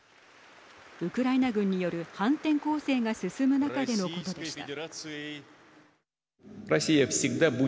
ウクライナ軍による反転攻勢が進む中でのことでした。